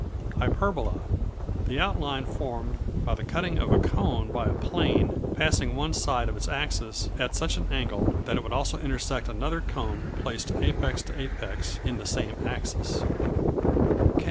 Hyperbola The outline formed by the cutting of a cone by a plane passing one side of its axis at such an angle that it would also intersect another cone placed apex to apex on the same axis.